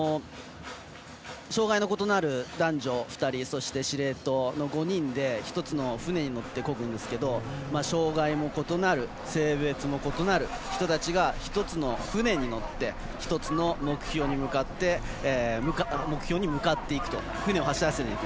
障がいの異なる男女２人そして司令塔の５人で１つの舟に乗ってこぐんですけど障がいも異なる性別も異なる人たちが１つの舟に乗って１つの目標に向かっていく舟を走らせていく。